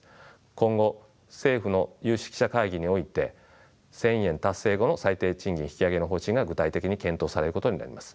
今後政府の有識者会議において１，０００円達成後の最低賃金引き上げの方針が具体的に検討されることになります。